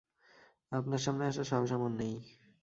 আপনার সামনে আসার সাহস আমার নেই।